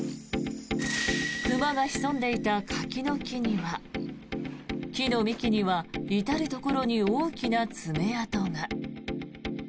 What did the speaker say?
熊が潜んでいた柿の木には木の幹には至るところに大きな爪痕が。